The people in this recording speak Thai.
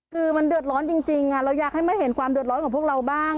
คือมันเดือดร้อนจริงเราอยากให้มาเห็นความเดือดร้อนของพวกเราบ้าง